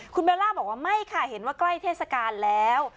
คุณเบลล่าบอกว่าไม่ค่ะเห็นว่าใกล้เทศกาลแล้ว